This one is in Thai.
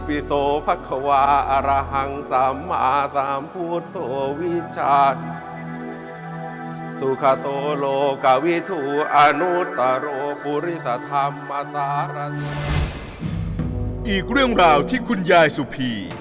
อีกเรื่องราวที่คุณยายสุพี